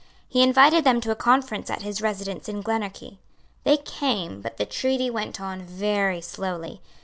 He invited them to a conference at his residence in Glenorchy. They came; but the treaty went on very slowly.